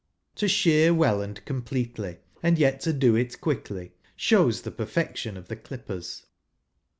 To shear well and completely, and yet to do it quickly, shows the perfection of the clippers.